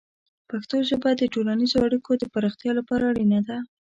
پښتو ژبه د ټولنیزو اړیکو د پراختیا لپاره اړینه ده.